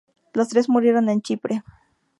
Los tres murieron en Chipre.